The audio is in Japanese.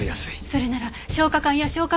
それなら消化管や消化